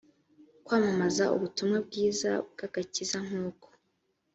kwamamaza ubutumwa bwiza bw agakiza nk uko